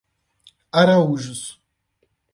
Araújos